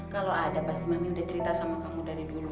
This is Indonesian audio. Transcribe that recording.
kalau ada pasti mami udah cerita sama kamu dari dulu